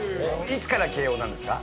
いつから慶應なんですか？